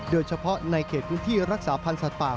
โดยเฉพาะในเขตพื้นที่รักษาพันธ์สัตว์ป่า